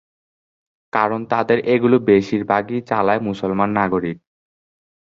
কারণ তাদের এগুলি বেশির ভাগই চালায় মুসলমান নাগরিক।